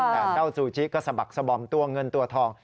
แต่เจ้าซูชิก็สะบักสบอมตัวเงินตัวทอง